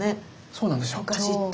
そうなんですよ。